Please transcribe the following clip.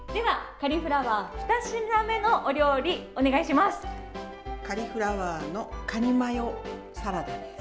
カリフラワーのかにマヨサラダです。